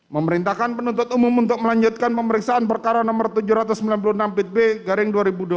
memerintahkan penuntut umum untuk melanjutkan pemeriksaan perkara nomor tujuh ratus sembilan puluh enam pitb garing dua ribu dua puluh tiga